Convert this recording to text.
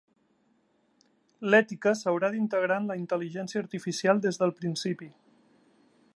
L'ètica s'haurà d'integrar en la intel·ligència artificial des del principi.